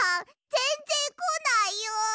ぜんぜんこないよ！